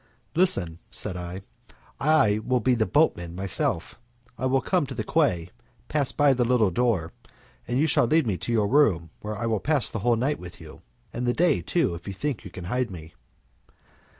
"Listen," said I, "I will be the boatman myself. I will come to the quay, pass by the little door, and you shall lead me to your room where I will pass the whole night with you, and the day, too, if you think you can hide me."